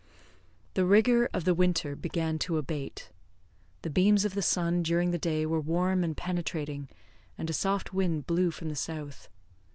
The rigour of the winter began to abate. The beams of the sun during the day were warm and penetrating, and a soft wind blew from the south.